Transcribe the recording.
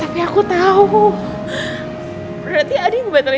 apa kamu jemput perlu mercuni